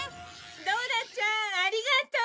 ドラちゃんありがとう！